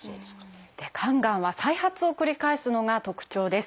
肝がんは再発を繰り返すのが特徴です。